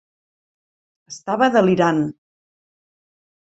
Estava delirant.